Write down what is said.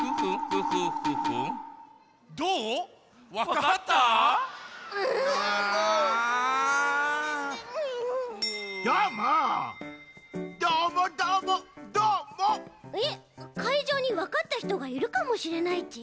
かいじょうにわかったひとがいるかもしれないち？